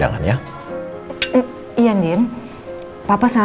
ada apa apa sih